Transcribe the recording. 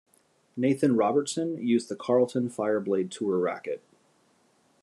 Nathan Robertson used the Carlton Fireblade Tour racket.